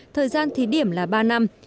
thời gian thí điểm là ba năm